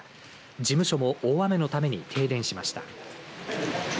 事務所も大雨のために停電しました。